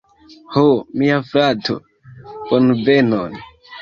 Ho, mia frato, bonvenon